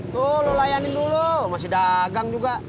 tuh lo layanin dulu masih dagang juga